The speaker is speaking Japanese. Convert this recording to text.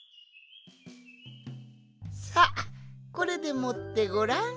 さっこれでもってごらん。